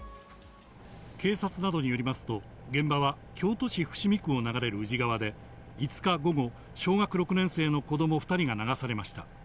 警察などによりますと、現場は京都市伏見区を流れる宇治川で、５日午後、小学６年生の子ども２人が流されました。